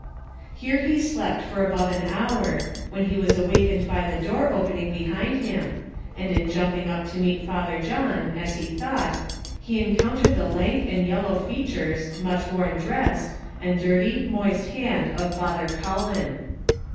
Here he slept for above an hour, when he was awakened by the door opening behind him, and in jumping up to meet Father John, as he thought, he encountered the lank and yellow features, much worn dress, and dirty, moist hand of Father Cullen.